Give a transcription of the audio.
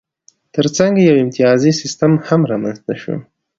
ترڅنګ یې یو امتیازي سیستم هم رامنځته شو.